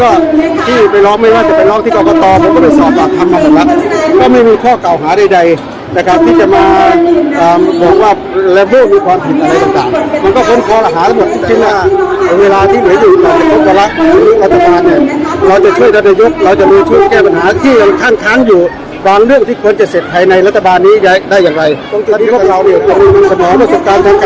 อันที่สุดท้ายก็คืออันที่สุดท้ายก็คืออันที่สุดท้ายก็คืออันที่สุดท้ายก็คืออันที่สุดท้ายก็คืออันที่สุดท้ายก็คืออันที่สุดท้ายก็คืออันที่สุดท้ายก็คืออันที่สุดท้ายก็คืออันที่สุดท้ายก็คืออันที่สุดท้ายก็คืออันที่สุดท้ายก็คืออันที่สุดท้ายก็คืออั